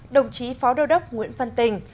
hai đồng chí phó đạo đốc nguyễn văn tình